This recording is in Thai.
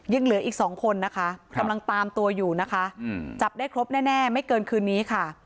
ยังเหลืออีก๒คนตามตัวอยู่จับได้ครบแน่ไม่เกินคืนนี้